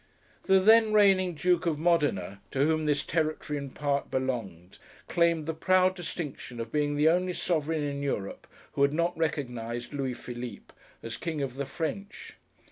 The then reigning Duke of Modena, to whom this territory in part belonged, claimed the proud distinction of being the only sovereign in Europe who had not recognised Louis Philippe as King of the French!